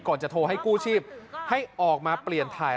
จะโทรให้กู้ชีพให้ออกมาเปลี่ยนถ่าย